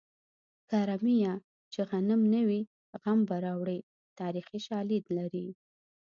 کرمیه چې غم نه وي غم به راوړې تاریخي شالید لري